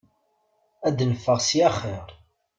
Ad neffeɣ ssya axir!